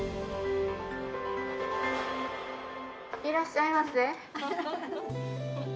いらっしゃいませ。